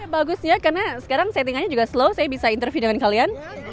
bagus ya karena sekarang settingannya juga slow saya bisa interview dengan kalian